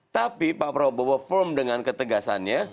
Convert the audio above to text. tapi pak prabowo firm dengan ketegasannya